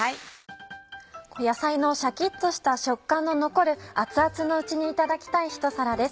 野菜のシャキっとした食感の残る熱々のうちにいただきたいひと皿です。